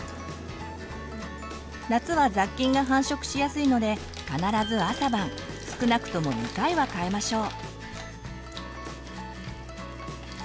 夏は雑菌が繁殖しやすいので必ず朝晩少なくとも２回は替えましょう。